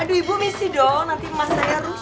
aduh ibu mesti dong nanti emas saya rus